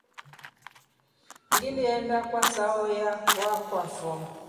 Ngiliinda kwa saayo wakwafo.